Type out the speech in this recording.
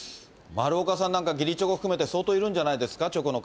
丸岡さんなんか、義理チョコ含めて相当いるんじゃないですか？